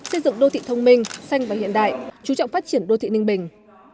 xây dựng đô thị thông minh xanh và hiện đại chú trọng phát triển đô thị ninh bình